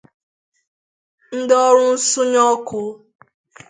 ndị ọrụ nsọnyụ ọkụ